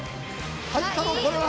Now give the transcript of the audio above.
入ったぞこれは！